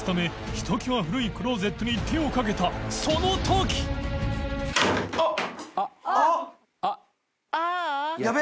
ひときわ古いクローゼットに蠅かけたバキッ！］あっ。